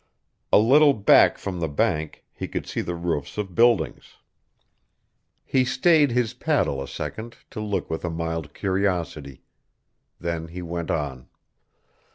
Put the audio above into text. A little back from the bank he could see the roofs of buildings. He stayed his paddle a second to look with a mild curiosity. Then he went on.